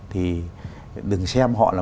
thì đừng xem họ là